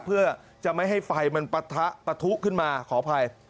เพื่อจะไม่ให้ไฟมันปะทะปะทุขึ้นมาขออภัย